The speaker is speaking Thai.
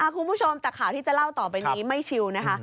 คุณผู้ชมแต่ข่าวที่จะเล่าต่อไปนี้ไม่ชิวนะคะ